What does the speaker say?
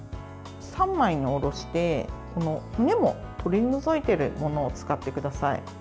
３枚におろして骨も取り除いているものを使ってください。